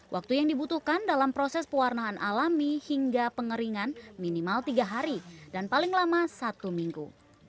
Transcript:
waktu yang dibutuhkan dalam proses pewarnaan alami hingga pengeringan minimal tiga hari dan paling lama satu minggu